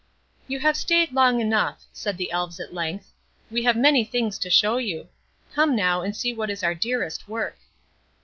"You have stayed long enough," said the Elves at length, "we have many things to show you. Come now and see what is our dearest work."